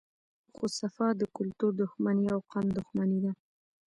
خو صفا د کلتور دښمني او قام دښمني ده